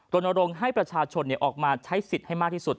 รณรงค์ให้ประชาชนออกมาใช้สิทธิ์ให้มากที่สุด